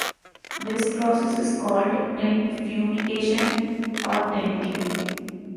This process is called tent fumigation or "tenting".